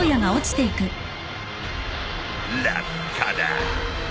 落下だ。